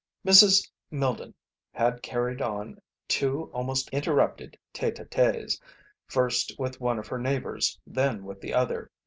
Mrs. Milden had carried on two almost interrupted tete a tetes, first with one of her neighbours, then with the other.